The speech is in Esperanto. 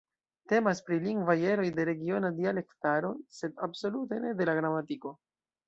Temas pri lingvaj eroj de regiona dialektaro, sed absolute ne de la gramatiko.